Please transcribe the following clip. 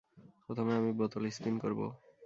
প্রথমে আমি বোতল স্পিন করবো।